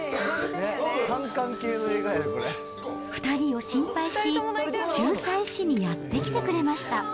２人を心配し、仲裁しにやって来てくれました。